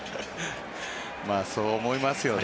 そう思いますよね。